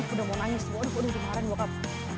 udah mau nangis aduh kemarin bokap